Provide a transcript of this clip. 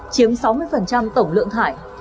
chiếm sáu mươi tổng lượng than